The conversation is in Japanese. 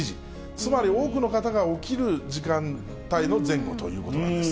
つまり多くの方が起きる時間帯の前後ということなんです。